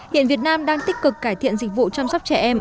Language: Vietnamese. hiện việt nam đang tích cực cải thiện dịch vụ chăm sóc trẻ em